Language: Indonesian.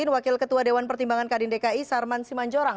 wakil ketua dewan pertimbangan kadin dki sarman simanjorang